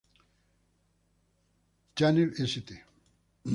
Chanel St.